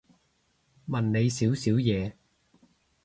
問你少少嘢